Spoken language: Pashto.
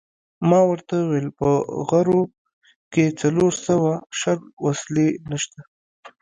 ما ورته وویل: په غرو کې څلور سوه شل وسلې نشته.